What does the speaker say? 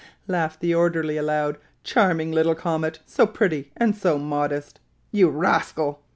laughed the orderly, aloud; "charming little comet! so pretty; and so modest!" "You rascal!"